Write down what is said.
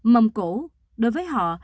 mầm cổ đối với họ